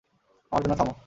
আমার জন্য থামো।